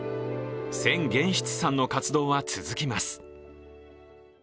千玄室さんの活動は続きます。